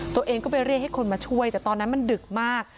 ตัวเองก็ไปเรียกให้คนมาช่วยแต่ตอนนั้นมันดึกมาก